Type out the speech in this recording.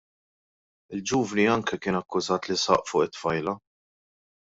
Il-ġuvni anke kien akkużat li saq fuq it-tfajla.